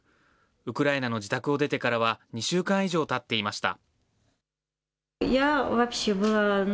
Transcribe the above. ウクライナの自宅を出てからは２週間以上たっていました。